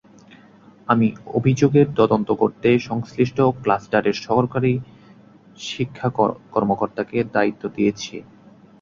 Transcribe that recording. আমি অভিযোগের তদন্ত করতে সংশ্লিষ্ট ক্লাস্টারের সহকারী শিক্ষা কর্মকর্তাকে দায়িত্ব দিয়েছি।